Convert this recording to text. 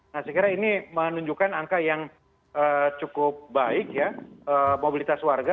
nah saya kira ini menunjukkan angka yang cukup baik ya mobilitas warga